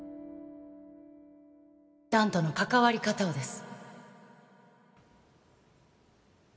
弾との関わり方をです